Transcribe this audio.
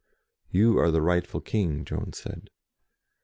"You are the rightful King," Joan said.